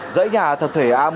dãy nhà thập thể a một